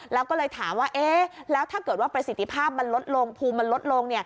แล้วก็เลยถามว่าเอ๊ะแล้วถ้าเกิดว่าประสิทธิภาพมันลดลงภูมิมันลดลง